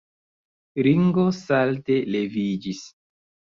Ringo salte leviĝis.